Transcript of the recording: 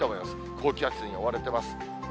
高気圧に覆われてます。